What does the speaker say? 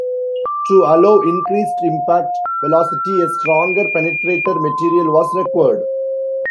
To allow increased impact velocity, a stronger penetrator material was required.